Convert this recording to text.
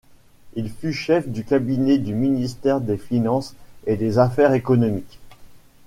Il fut chef de cabinet du Ministère des Finances et des Affaires économiques.